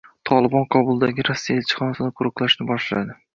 “Tolibon” Kobuldagi Rossiya elchixonasini qo‘riqlashni boshladi